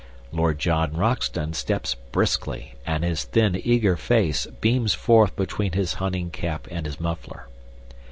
Lord John Roxton steps briskly, and his thin, eager face beams forth between his hunting cap and his muffler.